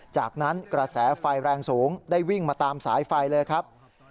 จากนั้นกระแสไฟแรงสูงได้วิ่งมาตามสายไฟเลยครับ